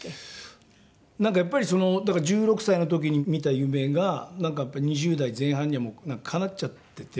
なんかやっぱりそのだから１６歳の時に見た夢がなんかやっぱり２０代前半にはもうかなっちゃってて。